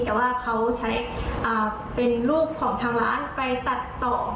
แต่ว่าเขาใช้เป็นรูปของทางร้านไปตัดต่อ